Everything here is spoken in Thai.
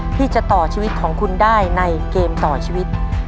ที่จะต่อชีวิตของคุณได้ในเกมต่อชีวิต